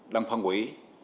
đang phân quỷ